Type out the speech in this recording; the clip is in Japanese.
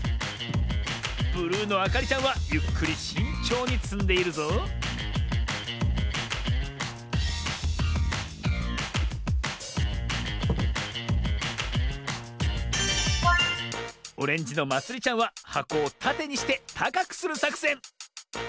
ブルーのあかりちゃんはゆっくりしんちょうにつんでいるぞオレンジのまつりちゃんははこをたてにしてたかくするさくせん。